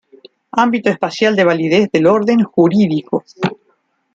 Ámbito espacial de validez del orden jurídico.